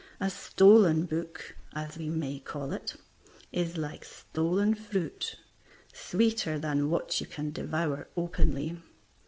A stolen book (as we may call it) is like stolen fruit, sweeter than what you can devour openly.